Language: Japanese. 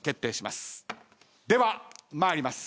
では参ります。